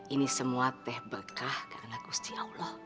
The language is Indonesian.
ini semua teh berkah karena kusti allah